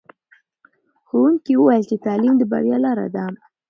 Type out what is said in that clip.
ښوونکي وویل چې تعلیم د بریا لاره ده.